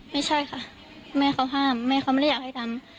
ไม่ใช่ค่ะแม่เขาห้ามแม่เขาไม่ได้อยากให้ทำ